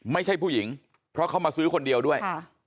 ไม่ใช่ผู้หญิงเพราะเขามาซื้อคนเดียวด้วย